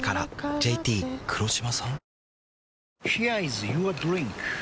ＪＴ黒島さん？